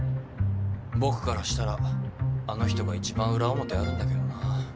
僕からしたらあの人が一番裏表あるんだけどな。